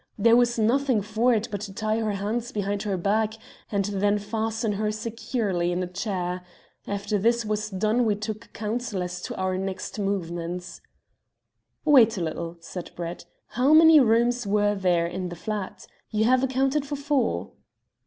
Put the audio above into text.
There was nothing for it but to tie her hands behind her back, and then fasten her securely in a chair. After this was done we took counsel as to our next movements." "Wait a little," said Brett. "How many rooms were there in the flat? You have accounted for four."